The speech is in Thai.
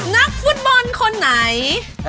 นักฟุตบอลคนไหน